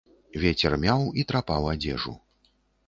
Вецер мяў і трапаў адзежу.